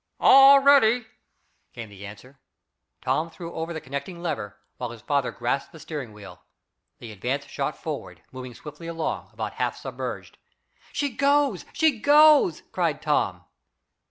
"All ready," came the answer. Tom threw over the connecting lever, while his father grasped the steering wheel. The Advance shot forward, moving swiftly along, about half submerged. "She goes! She goes!" cried Tom.